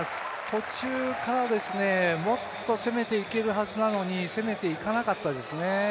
途中から、もっと攻めていけるはずなのに攻めていかなかったですね。